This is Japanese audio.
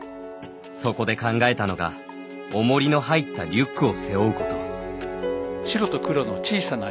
そこで考えたのが重りの入ったリュックを背負うこと。